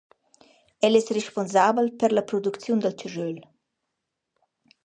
El es respunsabel per la producziun dal chaschöl.